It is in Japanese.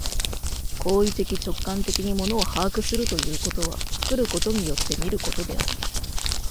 行為的直観的に物を把握するということは、作ることによって見ることである。